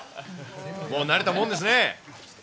もう慣れたもんですね。